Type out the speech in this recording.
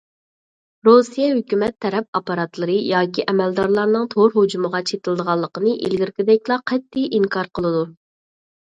رۇسىيە ھۆكۈمەت تەرەپ ئاپپاراتلىرى ياكى ئەمەلدارلارنىڭ تور ھۇجۇمىغا چېتىلىدىغانلىقىنى ئىلگىرىكىدەكلا قەتئىي ئىنكار قىلىدۇ.